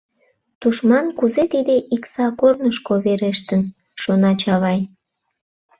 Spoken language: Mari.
«Тушман кузе тиде Икса корнышко верештын? — шона Чавай.